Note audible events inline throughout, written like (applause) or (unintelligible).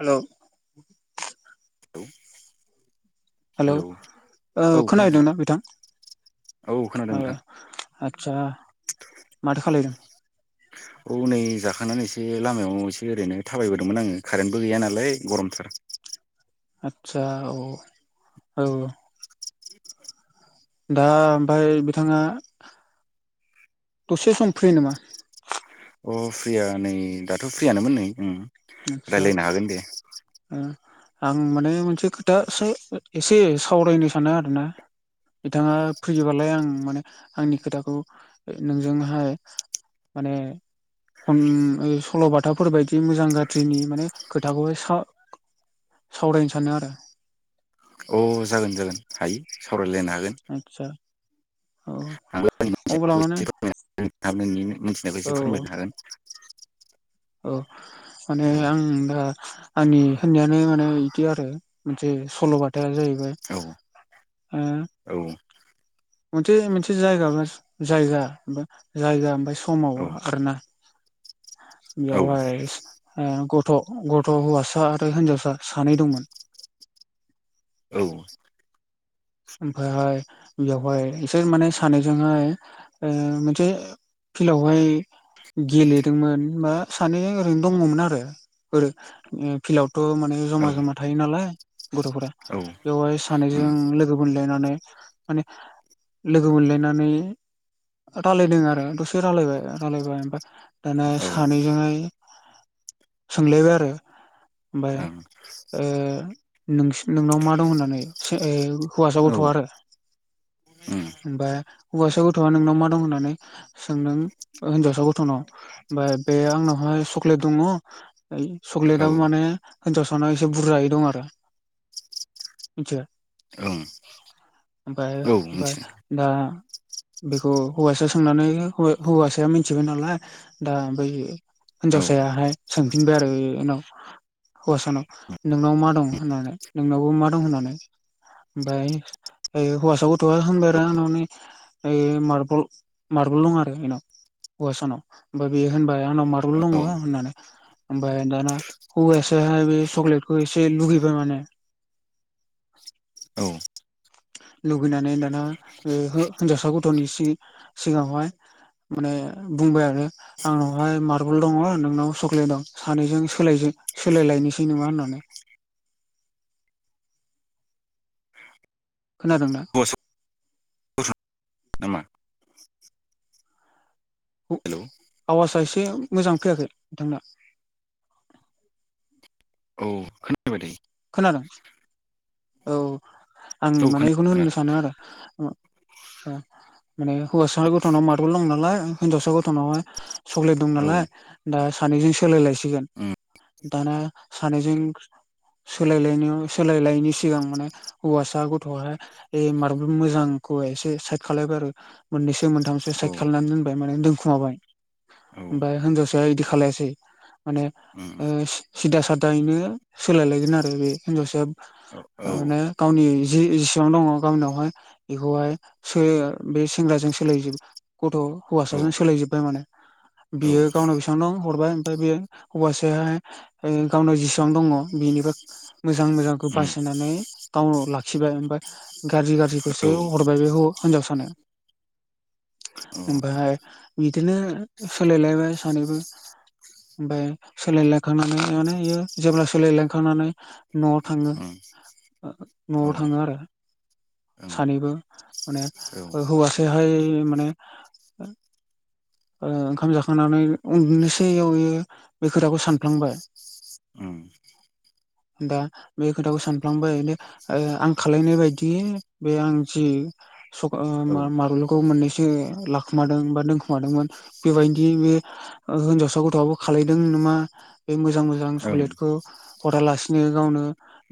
हेल' औ औ हेल'औ खोनादों खोनाहैदोंना बिथां? औ खोनादों ओ नोंथां आच्चा माथो खालायदों? औ नै जा जाखांनानै एसे लामायाव एसे ओरैनो थाबायबाय दंमोन आङो खारेनबो गैया नालाय गरमथार आत्चा औ औ दा ओमफाय बिथाङा दसे सम फ्रि नामा? अ फ्रिया नै दाथ' फ्रियानोमोन नै ओम। आत्सा ओ आं माने मोनसे खोथा-सो एसे सावरायनो सानदो आरोना? बिथाङा फैयोबालाय आं माने आंनि खोथाखौ नोंजोंहाय माने ओम ओ सल'बाथाफोरबायदि मोजां गा थ्रेननि माने खोथाखौहाय सा-सावरायनो सानदो आरो। औ जागोन जागोन हायो सावरायलायना आतसा। (unintelligible) माने नोंथांमोननि मोनथिनाय बायदि औ फोरमायनो हागोन। औ माने औ आं दा आंनि होननायानो माने इदि आरो मोनसे सल'बाथायानो जाहै उए औ ओ औ मोनसे मोनसे जायगा जायगा जायगा ओमफाय खमाव औ आगारोना औ बेयावहाय ओ ग थ' गथ' हौवासा आरो हिनजावसा सानै दंमोन। (inaudible) औ। ओमफायहाय बेवहाय इसे माने सानैजोंहाय ओ मोनसे फिलावहाय गेलेदोंमोन बा सानै ओरैनो दंमोन आरो ओरो उम फिलाव ओ माने औ जमा जमा थायो नालाय गथ'फोरा औ बेवाय सानैजों उम लोग मोनलायनानै माने लोगो मोनलायनानै रायलायदों आरो दसे रायलायबाय रायलायबाय ओमफाय दाना औ ओं सानैजोङै सोंलायबाय आरो ओमबाय औ ओ नोंस नोंनाव मा दं होननानै सों ओ हौवासा गथ'वा आरो उम ओमबाय हौवासा गथ'आ नोंनाव मा दं होननानै सोंदों ओ हिनजावसा गथ'नाव ओमबाय बे आं उनावहाय सकलेट दङ औ सुकलेटाबो माने हिनजाव साना एसे बुरजायै दङ आरो मिथिबाय? ओं ओमबाय औ बाय मिथिदों दा बेखौ हौवासा सोंनानै हौ-हौवासाया मिथिबाय नालाय दा ओमफाय हि हिनजावसायाहाय सोंफिनबाय आरो ए उनाव हौवासानाव नोंनाव मा दं होननानै नोंनावबो मा दं होननानै? ओमबाय ओइ हौवासा गथ'वा होनबाय आरो आंनाव नै ओइ मार्बल मार्बल दं आरो बिनाव। हौवासानाव। ओमबाय बेयो होनबाय आंनाव मारबल औ दङ होननानै। ओमफाय दाना हौवासायाहाय बे सकलेटखौ एसे ए लुगैबाय माने। औ। लुगैनानै दाना ओइ हो हिनजावसा गथ'नि सि-सिगाङावहाय माने बुंबाय आरो आंनावहाय मार्बल दङ नोंनाव सक्लेट दं सानैजों सोलायजों सोलायलायनिसै नोमा होननानै। (inaudible) खोनादोंना? नामा? हेलौ आवाजआ एसे मोजां फैयाखै नोंथांना। (inaudible) औ खोनादों ना? खोनादों औ। आं औ माने बेखौनो होननो खोनादों सानो आरो ओ ओ माने हौवासा गथ'नाव मारबल दं नालाय हिनजावसा गथ'नावहाय सक्लेट दं नालाय खोनादों दा सानैजों सोलायलायसिगोन दाना सानैजों सोलायलाय सोलायलायनि सिगां माने हौवासा गथ'आ ए मारबल मोजांखौ एसे साइद खालायबाय आरो मोननैसो मोनथामसो औ उम औ साइद खालामनानै दोनबाय माने दोनखुमाबाय। औ ओमफाय हिनजावसाया इदि खालायासै। माने उम (unintelligible) सिदा सादायैनो सोलायलायगोन आरो बे हिनजावसाया। औ औ थार माने गावनि जि एसेबां दङ गावनियावहाय बेखौहाय (unintelligible) जों सोलायोब गथ' उम हौवासाजों सोलायजोबबाय माने औ बियो गावनाव बेसेबां दं हरबाय ओमफाय बे हौवासाय गावनाव जेसिबां दङ बेनिफाय मोजां मोजांखौ बासियनानै गावनाव लाखिबाय ओमफाय गाज्रि औ उम औ गाज्रिखौसो ओं हरबाय। बे ह हिनजावसानो। ओमफाय बिदिनो सोलायलायबाय सानैबो। ओमफाय सोलायलायखांनानै माने इयो जेब्ला सोलायलायखांनानै न'आव थाङो ओ न'आव थाङो आरो। सानैबो माने हौवासेहाय माने ओ ओंखाम जाखांनानै उनदुनोसैयावयो बे खोथाखौ सानफ्लांबाय। औ। (unintelligible) दा बे खोथाखौ सानफ्लांबाय आं खालायनाय बायदि बे आं जि (unintelligible) औ मारबलखौ मोननैसो लाखोमादों बा दोनखोमादोंमोन। बेबायदि बे ओ हिनजावसा गथ'आबो खालायदों नामा बे मोजां मोजां उम औ ओं सक्लेटखौ हरालासिनो गावनो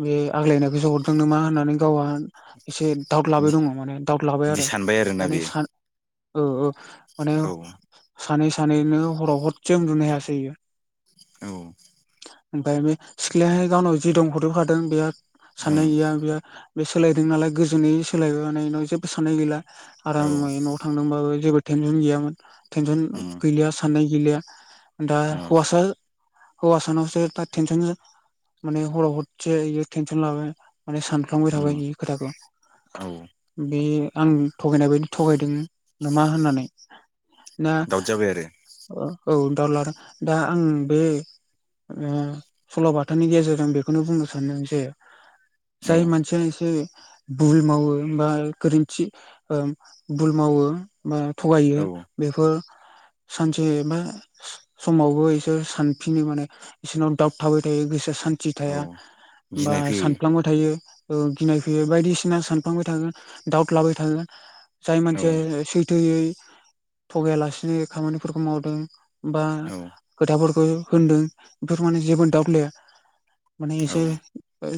बे आग्लायनायखौसो हरदों नामा होननानै गावहा एसे दाउट लाबाय बिदि दङ माने दाउट लाबाय बिदि आरो सानबाय आरोना माने सा बेयो औ औ। माने औ। सानै सानैनो हराव हरदसे उन्दुनो हायासै इयो। ओं ओमफाय बै सिख्लायाहाय गावनाव जि दं हरजोबखादों बेहा औ साननाय गैया बेहा बे सोलायदों नालाय गोजोनै सोलायबाय माने बेनाव जेबो साननाय गैला आराम न'आव थांदोंबाबबो जेबो टेनसन गैयामोन। टेनसन उम गैलिया साननाय गैलिया दा औ हौवासा हौवासा नाव सो दा टेनस'न माने हराव हरसे इयो टेनसन लाबाय माने सानफ्लांबाय थाबाय उम बे खोथाखौ औ बे आं थ'गायनाय बायदि थ'गायदों नामा होननानै ना दाउट जाबाय आरो ओ औ दावलार दा आं बे ओ सल'बाथानि गेजेरजों बेखौनो बुंनो सानदों जे जाय मानसिया एसे भुल मावो बा गोरोन्थि ओ भुल मावो मावो बा औ थ'गायो बेफोर सानसे बा समावबो इसोर सानफिनो माने बिसोरनाव दाउट थाबाय थायो गोसोआ सान्थि औ थाया। बा गिनाय फैयो सानफ्लांबाय थायो। ओ गिनाय फैयो बायदिसिना सानफांबाय थागोन डाउट लाबाय थागोन जाय औ मानसिया सै थो यै थगायालासेनो खामानिफोरखौ मावदों बा खोथाफोर होनदों बेफोर माने जेबो दाउट लया माने औ एसोर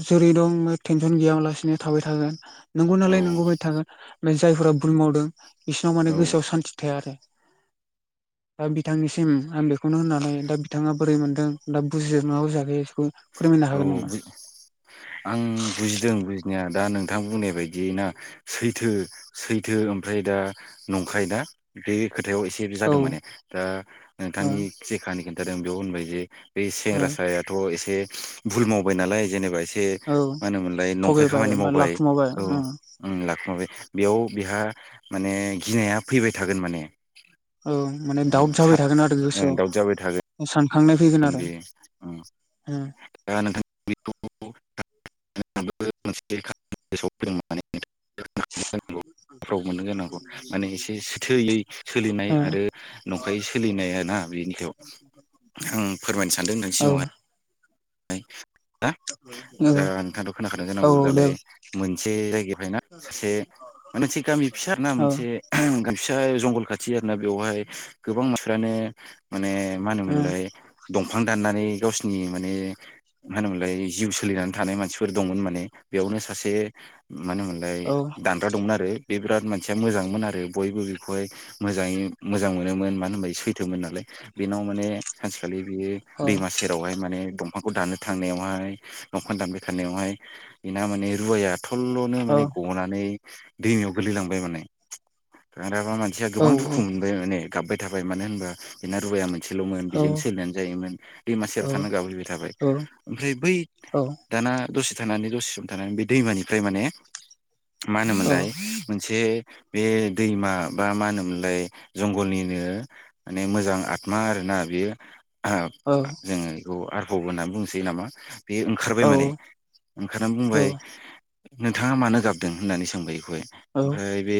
जेरै दं टेनसन गैयालासिनो थाबाय थागोन नंगौ नालाय नोंगौबायदि थागोन। जायफोरा भुल मावदों बिसोरनाव माने औ गोसोआव सान्थि थाया आरो। दा बिथांनिसिम आं बेखौनो होननानै दा बिथाङा बोरै मोनदों दा बुजिगोन ना बुजियाखै औ आं बुजिदों बुजिनाया दा नोंथां बुंनाय बायदियै ना सैथो सैथो ओमफ्राय दा नंखाय दा बे। खोथायाव एसे औ जादों माने दा ओ नोंथांनि जे खाहानि खिन्थादों बेयाव होनबाय जे। बे सेंग्रा ओ सायाथ' एसे भुल मावबाय नालाय जेनेबा एसे। एसे औ मा होनोमोनलाय नंखाय थगायबाय खामानि बा मावबाय लाखुमाबाय औ ओ ओं लाखुमाबाय। बेयाव बेहा माने गिनाया फैबाय थागोन माने। औ माने दाउट जाबाय थागोन आरो गोसोआव (unintelligible) (unintelligible) (unintelligible) (unintelligible) सानखांनाय फैगोन आरो मोननो जानांगौ माने एसे सथैयै सोलिनाय ओ आरो नंखायै सोलिनायानो। ना बेनिखौ आं फोरमायनो सानदों नोंथांनि ओ सिगां आवगाय । हा। औ दा नोंथांथ' खोनाखानाय औ जानांगौ दे दालाय मोनसे जायगायावफ्राय ना सासे। मोनसे गामि फिसा ना औ मोनसे। फिसा जंगल खाथि आरो ना बेवहाय गोबां मानसिफ्रानो। माने मा ओ होनोमोनलाय दंफां दाननानै गावसिनि माने। मा होनोमोनलाय जिउ सोलिनानै थानाय मानसिफोर दंमोन माने बेयावनो सासे। मानो होनोमोनलाय औ दानग्रा दंमोन आरो। बे बिराद मानसिया मोजांमोन आरो बयबो बेखौहाय मोजाङै मोजां मोनोमोन मानो होनब सैथोमोन नालाय। बेनाव माने सानसेखालि बेयो औ दैमा सेरावहाय माने दं। दंफांखौ दाननो थांनायावहाय दंफां दानबाय थानायनायावहाय बिना माने रुवाया। फथल'नो औ माने गनानै दैमायाव गोलैलांबाय माने। माबा मानसिया गोबां दुखु औ मोनबाय माने गाबबाय थाबाय मानो होनबा बेना रुवाया मोनोन। मानसेल'मोन औ बेजों सोलिनानै जायोमोन दै मासियाव थान गाबहैबाय। थाबाय औ औ ओमफ्राय बै दा दाना। दसे थानानै दसे सम थानानै बे दैमानिफ्राय माने मा होनोमोनलाय मोन मोनसे बे दैमा बा मा होनोमोनलाय जंगलनिनो माने मोजां आ। मा आरोना बेयो जोङो बेखौ आरफब होननानै बुंनोसै नामा। बे ओंखारबाय माने ओंखारनानै बुंबाय नोंथाङा मानो गाबदों होननानै सोंबाय। ओमफ्राय बे।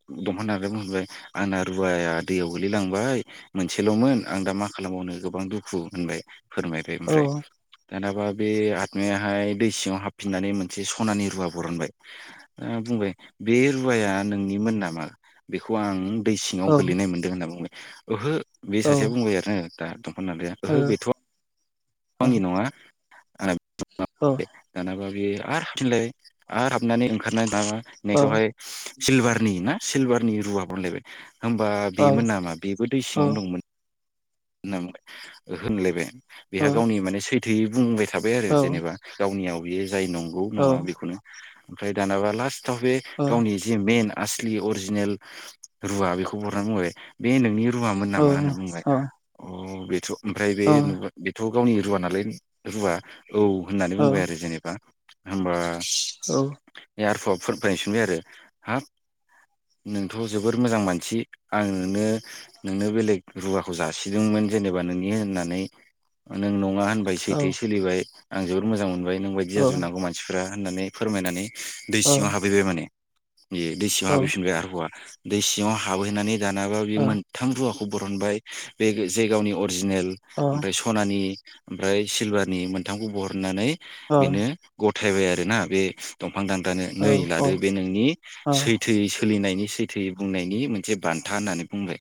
दंफां दानग्राया बुंहरबाय आंना रुवाया दैयाव गोलैलांबाय मोनसेल'मोन आं दा मा खालाम बावनो। नो गोबां दुखु होनबाय फोरमायबाय ओमफ्राय। दानाबा बे आतमायाहाय दै सिङाव हाबफिननानै मोनसे सनानि रुवा बरानबाय ओ बुंबाय बे रुवाया नोंनिमोन नामा बेखौ आं। दै सिङाव गोलैनाय मोनदों होनना बुंबाय ओहो। बे सासेया बुंबाय आरो दा दंफां दानग्राया ओहो बेथ । (unintelligible) बे आरो हाबिनलाय आरो हाबनानै ओंखारनानै दाबा नेक्स्टआवहाय। सिलभारनि ना सिलभारनि रुवा बनलायबाय। होमबा बेमोन नामा बेबो दै सिङावनो दंमोन। होनना बुंबाय ओहो बु होनलायबाय बेहा गावनि माने सैथोयै बुंबाय थ। थाबाय आरो जेनेबा गावनियाव बियो जाय नंगौ नङा बेखौनो ओमफ्राय दानाबा लास्ट। थ बे गावनि जिे मेन। आसलि अरिजिनेल रुवा बेखौ बरनना बुंबाय बे नोंनि रु। रुुमामोन नामा होनना बुंबाय। अ बेथ' ओमफ्राय बे नुबा बेथ' गावनि रुवा नालाय रुवा। औ होननानै बुंबाय आरो जेनेबा होनबा एयारपप। बायफिनबाय आरो हाब। नोंथ' जोबोर मोजां मानसि आं नोंनो नोंनो बेलेग रुवाखौ जा। सिदों मोन जेनेबा नोंनि होननानै नों नङा होनबाय सैथो सोलिबाय। आं जोबोद मोजां मोनबाय नों बायदि जाजोबनांगौ मानसिफोरा होननानै फोरमायनानै। दै सिङाव हाबहैबाय माने बे दै सिङाव हाबहैफिनबाय आरो दै सिङाव हाबहैनानै दानाबा बे मोनथाम रुवाखौ बरनबाय बे जायगानि अरिजिनेल ओमफ्राय सनानि ओमफ्राय सिलभारनि मोनथामखौ बरननानै बेनो गथायबाय आरोना बे फांदां दानो नै लादो बे नोंनि सैथोयै सोलिनायनि सैथोयै बुंनायनि मोनसे बान्था होननानै बुंबाय।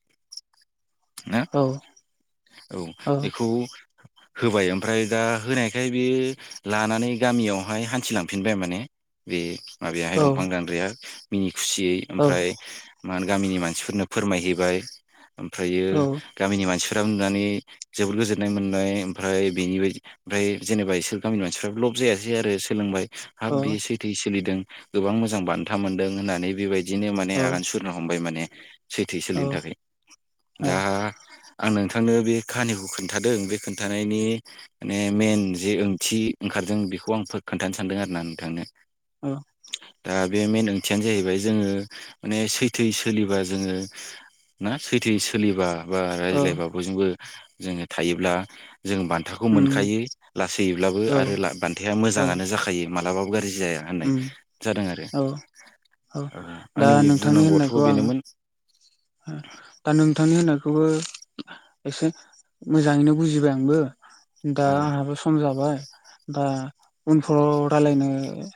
औ एखौ होबाय ओमफ्राय दा होनायखाय बेयो लानानै गामियावहाय हान्थिलांफिनबाय माने। बे माबायाहाय दंफां दानद्राया मिनि खुसियै ओमफ्राय मा होनो गामिनि मानसिफोरनो फोरमायहैबाय ओमफ्रायो गामिनि मानसिफ्रा नुनानै जोबोद गोजोननाय मोननाय ओमफ्राय बेनि बादि ओमफ्राय जेनेबा इसोर गामि मानसिफ्राबो लब जायासै आरो सोलोंबाय हाब बेयो सैथोयै सोलिदों गोबां मोजां बान्था मोनदों होननानै बेबाय दिनो माने आगान सुरनो हमबाय माने सैथो सोलिनो थाखाय दा आं नोंथांनो बे काहानिखौ खोनन्थादों बे खोनन्थानायनि माने मेन जे ओंथि खारदों बेखौ आं खोनथानो सानदों आरो ना नोंथांनो। अ दा बे मेन ओंथियानो जाहैबाय जोङो माने सैथो सोलिबा जोङो ना सैथोयै सोलिबा बा रायज्लायबा बयजोंबो जोङो थायोब्ला जों बान्थाखौ मोनखायो लासैयोब्लाबो आरो बान्थाया मोजाङानो जाखायो मालाबाबो गाज्रि जाया होननाय जादों आरो औ आंनि बुंनांगौआथ' बेनोमोन। अ दा नोंथांनि उनाव बेखौबो एसे मोजाङैनो बुजिबाय आंबो। दा औ आंहाबो सम जाबाय दा उनफ्राव रायलायनो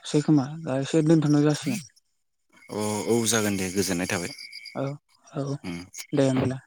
सै खोमा दा एसे दोनथ'नाय जासिगोन अ औ जागोन दे गोजोननाय थाबाय। औ औ उम दे होमबालाय।